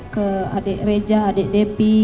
ke adik reja adik depi